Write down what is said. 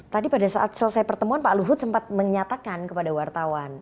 tadi pada saat selesai pertemuan pak luhut sempat menyatakan kepada wartawan